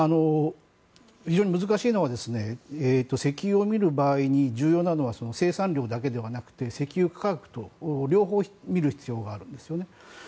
非常に難しいのは石油を見る場合に重要なのは生産量だけではなくて石油価格と両方見る必要があるんですよね。